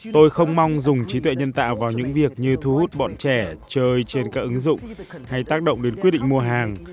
tôi không mong dùng trí tuệ nhân tạo vào những việc như thu hút bọn trẻ chơi trên các ứng dụng hay tác động đến quyết định mua hàng